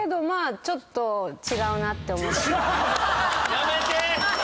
やめて！